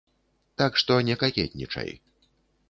Так што не какетнічай.